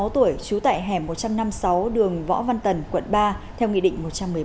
năm mươi sáu tuổi trú tại hẻm một trăm năm mươi sáu đường võ văn tần quận ba theo nghị định một trăm một mươi bảy